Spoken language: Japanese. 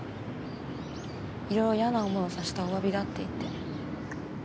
「色々嫌な思いをさせたおわびだ」って言って。